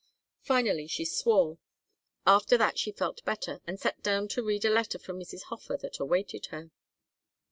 Finally she swore. After that she felt better and sat down to read a letter from Mrs. Hofer that awaited her.